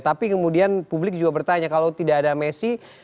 tapi kemudian publik juga bertanya kalau tidak ada messi